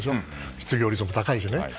失業率も高いしね。